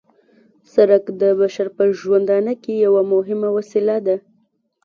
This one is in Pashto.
سرک د بشر په ژوندانه کې یوه مهمه وسیله ده